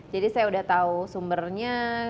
jadi saya sudah tahu sumbernya